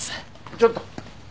ちょっと！